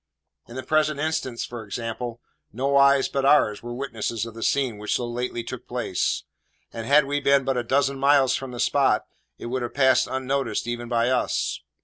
In the present instance, for example, no eyes but ours were witnesses of the scene which so lately took place; and had we been but a dozen miles from the spot, it would have passed unnoticed even by us.